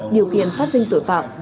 điều kiện phát sinh tội phạm